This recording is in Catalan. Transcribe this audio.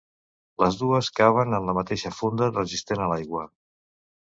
Les dues caben en la mateixa funda resistent a l'aigua.